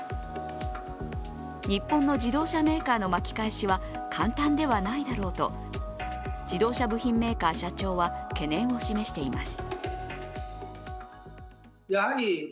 日本の自動車メーカーの巻き返しは簡単ではないだろうと自動車部品メーカー社長は懸念を示しています。